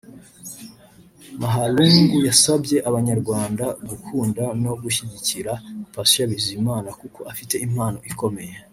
Mahlangu yasabye Abanyarwanda gukunda no gushyigikira Patient Bizimana kuko afite impano ikomeye